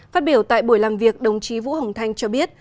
phát biểu tại buổi làm việc đồng chí vũ hồng thanh cho biết